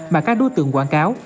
mà các đối tượng quảng cáo